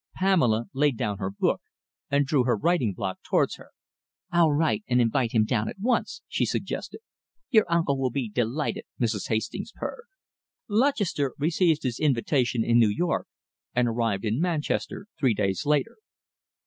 Pamela laid down her book and drew her writing block towards her. "I'll write and invite him down at once," she suggested. "Your uncle will be delighted," Mrs. Hastings purred.... Lutchester received his invitation in New York and arrived in Manchester three days later.